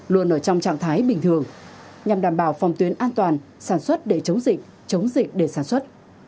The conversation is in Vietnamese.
luôn ở trong trạng thái bình thường nhằm đảm bảo phòng tuyến an toàn sản xuất để chống dịch chống dịch để sản xuất